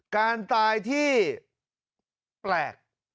การตายที่แปลก